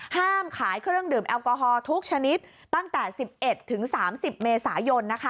ห้ามขายเครื่องดื่มแอลกอฮอล์ทุกชนิดตั้งแต่๑๑ถึง๓๐เมษายน